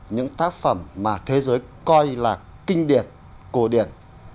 những tác phẩm mà thế giới coi là kinh điển cổ điển